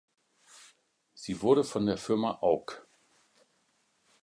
Sie wurde von der Firma Aug.